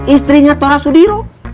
istrinya tora sudiro